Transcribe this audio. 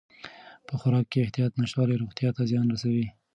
په خوراک کې د احتیاط نشتوالی روغتیا ته زیان رسوي.